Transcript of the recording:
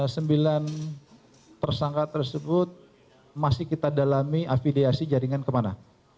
sembilan persangka tersebut masih kita dalami avidiasi jaringan kemana